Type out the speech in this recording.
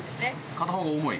片方が重い？